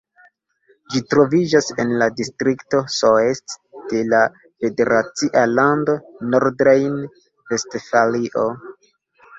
Ĝi troviĝas en la distrikto Soest de la federacia lando Nordrejn-Vestfalio.